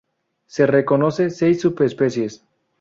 Se reconoce seis subespecies.